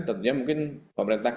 tentunya mungkin pemerintahnya